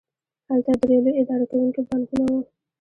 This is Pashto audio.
هلته درې لوی اداره کوونکي بانکونه وو